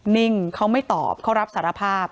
นิ่งเขาไม่ตอบเขารับสารภาพ